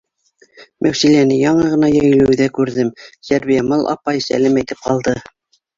— Мәүсиләне яңы ғына йәйләүҙә күрҙем, Сәрбиямал апай, сәләм әйтеп ҡалды